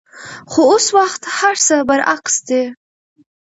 خو اوس وخت هرڅه برعکس دي.